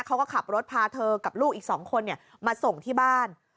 เขาก็ขับรถพาเธอกับลูกอีก๒คนมาส่งที่บ้าน